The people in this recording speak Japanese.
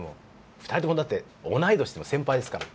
２人とも同い年でも先輩ですから。